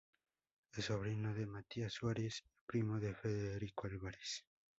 Es sobrino de Matías Suárez y primo de Federico Álvarez.